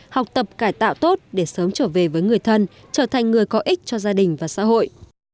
học tập cải tạo tốt để sớm trở về với người thân trở thành người có ích cho gia đình và xã hội